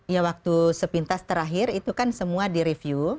ya waktu sepintas terakhir itu kan semua di review